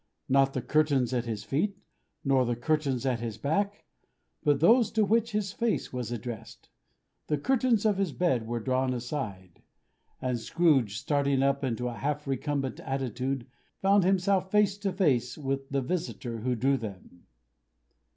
Not the curtains at his feet, nor the curtains at his back, but those to which his face was addressed. The curtains of his bed were drawn aside; and Scrooge, starting up into a half recumbent attitude, found himself face to face with the visitor who drew them.